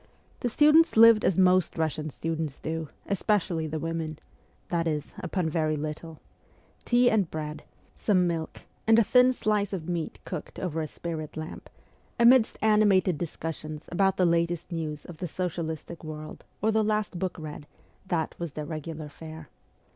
The students lived as most Russian students do, especially the women that is, upon very little. Tea and bread, E 2 52 MEMOIRS OF A REVOLUTIONIST some milk, and a thin slice of meat cooked over a spirit lamp, amidst animated discussions about the latest news of the socialistic world or the last book read, that was their regular fare.